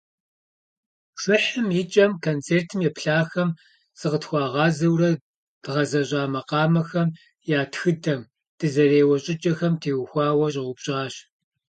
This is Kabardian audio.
Пшыхьым и кӀэм концертым еплъахэм зыкъытхуагъазэурэ дгъэзэщӀа макъамэхэм я тхыдэм, дызэреуэ щӀыкӀэхэм теухуауэ щӀэупщӀащ.